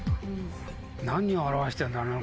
何を表してるんだろう